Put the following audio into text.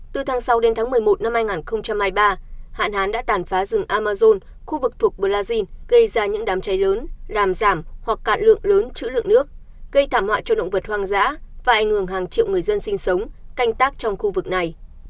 từ tháng sáu đến tháng một mươi một năm hai nghìn hai mươi ba hạn hán đã tàn phá rừng amazon khu vực thuộc brazil gây ra những đám cháy lớn làm giảm hoặc cạn lượng lớn chữ lượng nước gây thảm họa cho động vật hoang dã và ảnh hưởng hàng triệu người dân sinh sống canh tác trong khu vực này